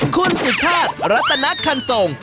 คุณสุชาติรัตนคันทรง